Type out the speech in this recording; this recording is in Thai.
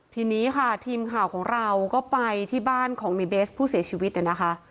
ทีนี้ค่ะทีมข่าวของเราก็ไปที่บ้านของในเบสผู้เสียชีวิตเนี่ยนะคะ